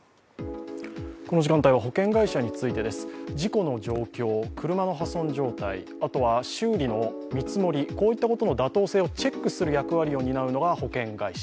この時間帯は保険会社についてです。事故の状況、車の破損状態、あとは修理の見積もり、こういったこと妥当性をチェックする役割を担うのが保険会社。